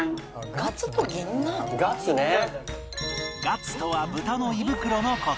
「ガツ」とは豚の胃袋の事